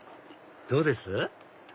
どうです？